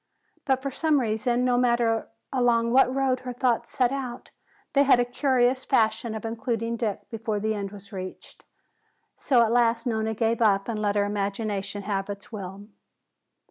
But for some reason, no matter along what road her thoughts set out, they had a curious fashion of including Dick before the end was reached. So at last Nona gave up and let her imagination have its will.